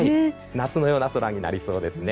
夏のような空になりそうですね。